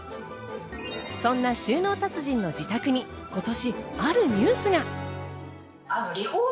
そんな収納達人の自宅に今年あるニュースが！